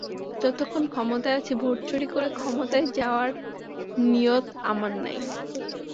যতক্ষণ ক্ষমতায় আছি, ভোট চুরি করে ক্ষমতায় যাওয়ার নিয়ত আমার নাই।